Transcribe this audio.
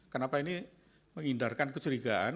kenapa ini menghindarkan kecurigaan